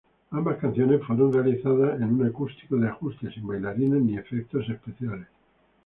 Ambas canciones fueron realizadas en un acústico de ajuste, sin bailarines ni efectos especiales.